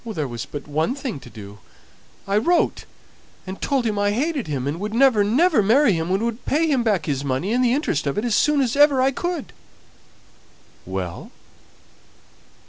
"There was but one thing to do. I wrote and told him I hated him, and would never, never marry him, and would pay him back his money and the interest on it as soon as ever I could." "Well?"